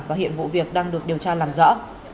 và hiện vụ việc đang được điều tra làm rõ